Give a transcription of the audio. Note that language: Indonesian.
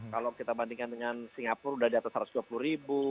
kalau kita bandingkan dengan singapura sudah di atas satu ratus dua puluh ribu